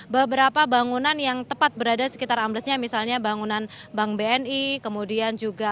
beberapa bangunan yang tepat berada sekitar amblesnya misalnya bangunan bank bni kemudian juga